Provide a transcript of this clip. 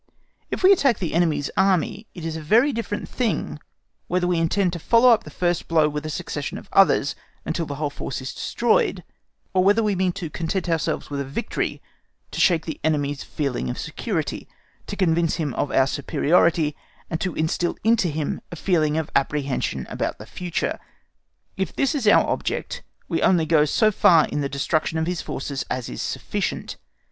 If we attack the enemy's Army, it is a very different thing whether we intend to follow up the first blow with a succession of others, until the whole force is destroyed, or whether we mean to content ourselves with a victory to shake the enemy's feeling of security, to convince him of our superiority, and to instil into him a feeling of apprehension about the future. If this is our object, we only go so far in the destruction of his forces as is sufficient.